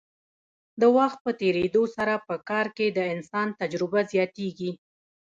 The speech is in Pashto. د وخت په تیریدو سره په کار کې د انسان تجربه زیاتیږي.